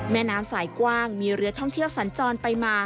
แม่น้ำสายกว้างมีเรือท่องเที่ยวสัญจรไปมา